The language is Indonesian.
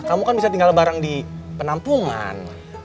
kamu kan bisa tinggal bareng di penampungan